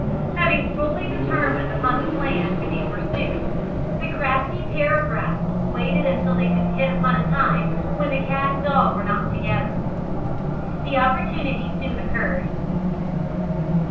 Having fully determined upon the plan to be pursued, the crafty pair of rascals waited until they could hit upon a time when the cat and dog were not together. The opportunity soon occurred.